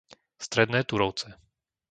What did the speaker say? Stredné Turovce